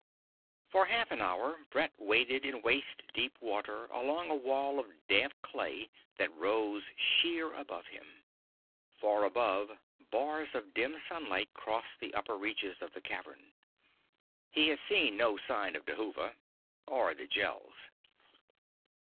For half an hour Brett waded in waist deep water along a wall of damp clay that rose sheer above him. Far above, bars of dim sunlight crossed the upper reaches of the cavern. He had seen no sign of Dhuva ... or the Gels.